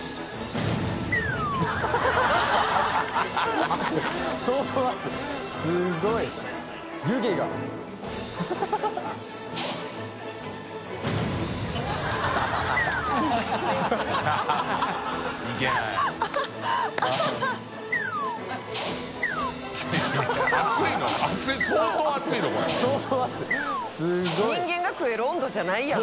淵劵灰蹈辧次人間が食える温度じゃないやん。